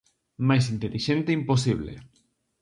Máis intelixente imposible.